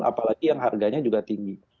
apalagi yang harganya juga tinggi